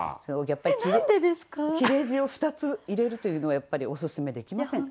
切れ字を２つ入れるというのはやっぱりおすすめできません。